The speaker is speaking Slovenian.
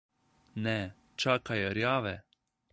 Ne, čakaj rjave.